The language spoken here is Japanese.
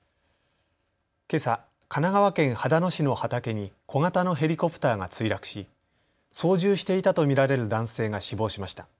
けさ神奈川県秦野市の畑に小型のヘリコプターが墜落し操縦していたと見られる男性が死亡しました。